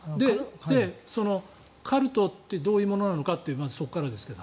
カルトってどういうものなのかっていうまずそこからですが。